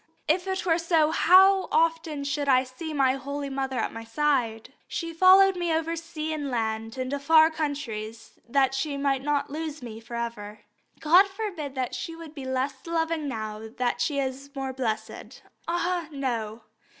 If it were so, how often should I see my holy mother at my side! She followed me over sea and land into far countries that she might not lose me for ever. God forbid that she should be less loving now that she is more blessed. Ah, no!